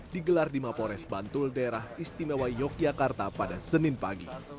digelar di mapores bantul daerah istimewa yogyakarta pada senin pagi